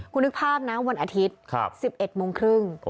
คุณนึกภาพนะวันอาทิตย์๑๑โมงครึ่ง